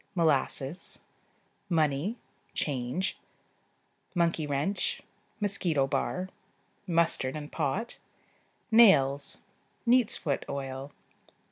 Molasses. Money ("change"). Monkey wrench. Mosquito bar. Mustard and pot. Nails. Neat's foot oil.